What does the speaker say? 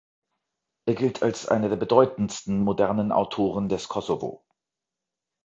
Er gilt als einer der bedeutendsten modernen Autoren des Kosovo.